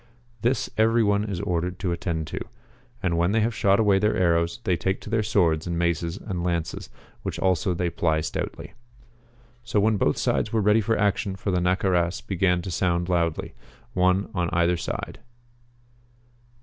This every one is ordered to attend to. And when they have shot away their arrows they take to their swords and maces and lances, which also they ply stoutly. So when both sides were ready for action the Naccaras began to sound loudly, one on either side.